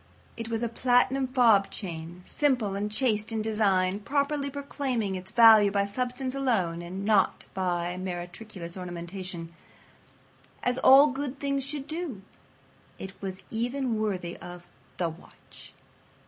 It was a platinum fob chain simple and chaste in design, properly proclaiming its value by substance alone and not by meretricious ornamentation—as all good things should do. It was even worthy of The Watch.